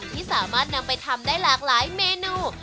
ที่สามารถนำไปทำได้หลากหลายเมนู